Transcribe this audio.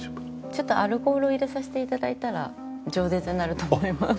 ちょっとアルコールを入れさせていただいたら饒舌になると思います。